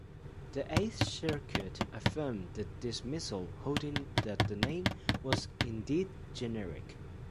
The Eighth Circuit affirmed the dismissal, holding that the name was indeed generic.